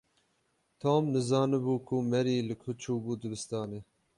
Tom nizanibû ku Mary li ku çûbû dibistanê.